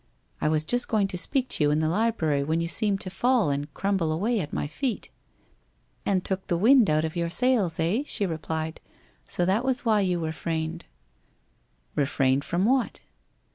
I was just going to speak to you in the library when you seemed to fall and crumble away at my feet.' ' And took the wind out of your sails, eh ?' she replied. c So that was why you refrained.' f Refrained from what